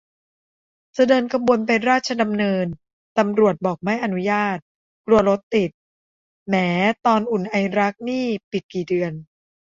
จะเดินขบวนไปราชดำเนิน ตำรวจบอกไม่อนุญาต กลัวรถติด แหม่ ตอน อุ่นไอรัก นี่ปิดกี่เดือน